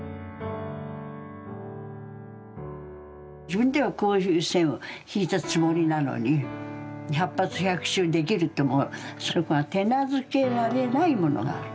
自分ではこういう線を引いたつもりなのに百発百中できると思うそこが手なずけられないものがある。